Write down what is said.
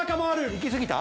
いきすぎた？